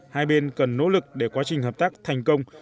hai bên cần nỗ lực để quá trình hợp tác thành công